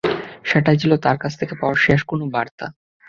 সেটাই ছিল তার কাছ থেকে পাওয়া শেষ কোনো বার্তা।